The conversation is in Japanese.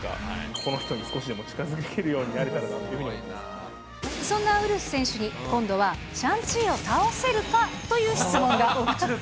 この人に少しでも近づけるようにそんなウルフ選手に、今度はシャン・チーを倒せるかという質問が。